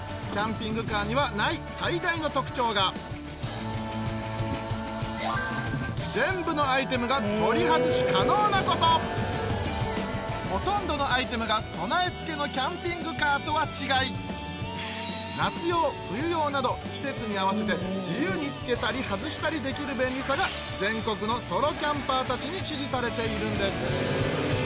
そして全部のアイテムが取り外し可能なことほとんどのアイテムが備え付けのキャンピングカーとは違い夏用冬用など季節に合わせて自由に付けたり外したりできる便利さが全国のソロキャンパーたちに支持されているんです